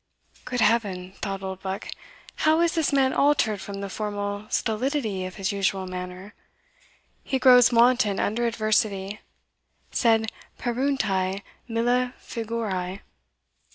"Good Heaven!" thought Oldbuck, "how is this man altered from the formal stolidity of his usual manner! he grows wanton under adversity Sed pereunti mille figurae."